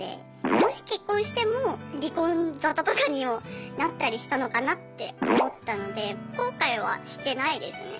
もし結婚しても離婚沙汰とかにもなったりしたのかなって思ったので後悔はしてないですね。